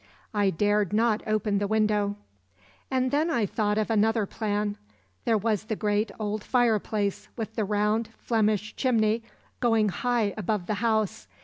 I dared not open the window. "And then I thought of another plan. There was the great old fireplace, with the round Flemish chimney going high above the house.